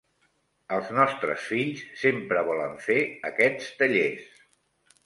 Els nostres fills sempre volen fer aquests tallers.